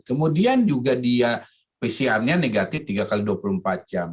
kemudian juga dia pcr nya negatif tiga x dua puluh empat jam